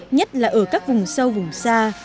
nhất là ở các vùng sâu vùng xa